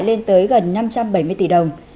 lên tới gần năm trăm bảy mươi tỷ đồng